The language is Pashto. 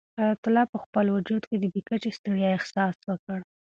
حیات الله په خپل وجود کې د بې کچې ستړیا احساس وکړ.